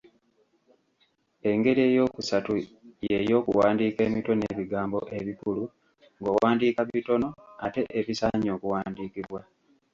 Engeri eyookusatu ye y'okuwandiika emitwe n'ebigambo ebikulu, ng'owandiika bitono, ate ebisaanye okuwandiikibwa.